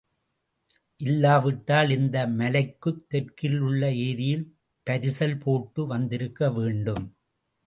இல்லாவிட்டால் இந்த மலைக்குத் தெற்கில் உள்ள ஏரியில் பரிசல் போட்டு வந்திருக்கவேண்டும்.